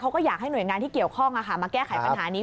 เขาก็อยากให้หน่วยงานที่เกี่ยวข้องมาแก้ไขปัญหานี้